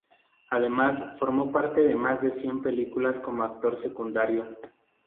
Además formó parte de más de cien películas como actor secundario.